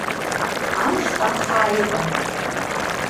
Амш каххаа иҟан.